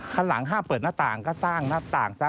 ข้างหลังห้ามเปิดหน้าต่างก็สร้างหน้าต่างซะ